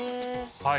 はい